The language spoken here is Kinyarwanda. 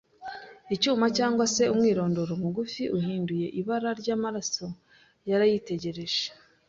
icyuma, cyangwa se umwirondoro mugufi, uhinduye ibara ryamaraso. Yarayitegereje